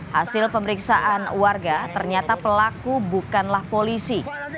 hasil pemeriksaan warga ternyata pelaku bukanlah polisi